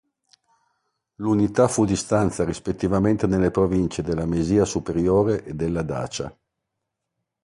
L'unità fu di stanza rispettivamente nelle province della Mesia superiore e della Dacia.